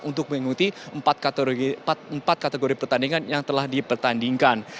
untuk mengikuti empat kategori pertandingan yang telah dipertandingkan